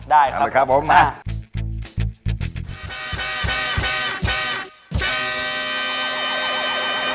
ได้ครับได้ครับอันนี้ครับผมมา